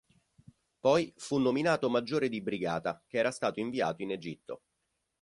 Poi fu nominato maggiore di brigata, che era stato inviato in Egitto.